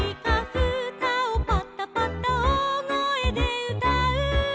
「ふたをパタパタおおごえでうたう」